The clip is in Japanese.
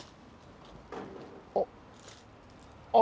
あっあっ